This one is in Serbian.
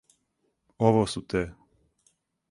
Ово су те.